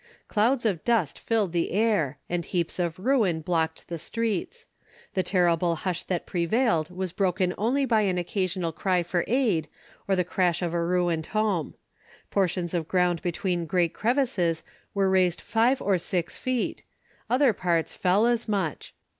Clouds of dust filled the air, and heaps of ruin blocked the streets. The terrible hush that prevailed was broken only by an occasional cry for aid, or the crash of a ruined home. Portions of ground between great crevices were raised five or six feet; other parts fell as much.